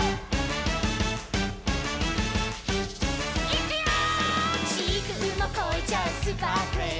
「いくよー！」